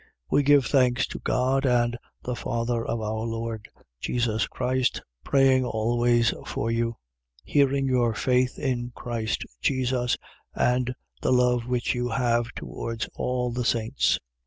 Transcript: We give thanks to God and the Father of our Lord Jesus Christ, praying always for you. 1:4. Hearing your faith in Christ Jesus and the love which you have towards all the saints.